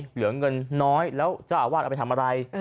เหลือเงินน้อยแล้วเจ้าอาวาสเอาไปทำอะไร